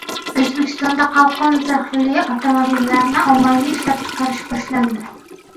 O‘zbekistonda “Qalqon” zirhli avtomobillarni ommaviy ishlab chiqarish boshlandi